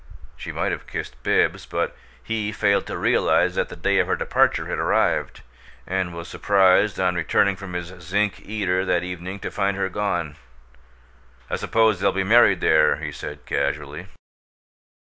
She might have kissed Bibbs, but he failed to realize that the day of her departure had arrived, and was surprised, on returning from his zinc eater, that evening, to find her gone. "I suppose they'll be maried there," he said, casually.